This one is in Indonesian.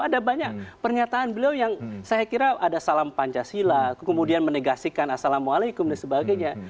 ada banyak pernyataan beliau yang saya kira ada salam pancasila kemudian menegasikan assalamualaikum dan sebagainya